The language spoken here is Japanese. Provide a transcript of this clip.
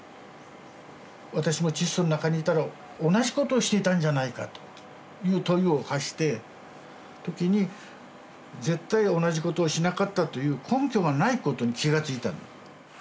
「私もチッソの中にいたら同じことをしていたんじゃないか」という問いを発して時に絶対同じことをしなかったという根拠がないことに気がついた。